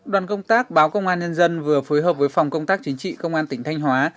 đoàn công tác báo công an nhân dân vừa phối hợp với phòng công tác chính trị công an tỉnh thanh hóa